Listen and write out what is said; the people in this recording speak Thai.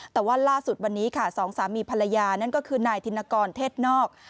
แต่ว่าล่าสุดวันนี้ค่ะสองสามีภรรยานั่นก็คือนายธินกรเทศนอก